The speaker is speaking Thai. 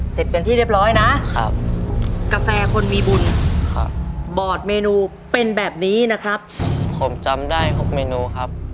เสร็จเป็นที่เรียบร้อยนะครับกาแฟคนมีบุญครับบอร์ดเมนูเป็นแบบนี้นะครับผมจำได้หกเมนูครับ